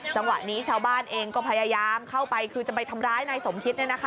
จังหวะนี้ชาวบ้านเองก็พยายามเข้าไปคือจะไปทำร้ายนายสมคิด